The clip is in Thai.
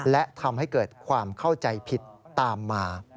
และทำให้เกิดความเข้าใจผิดตามมา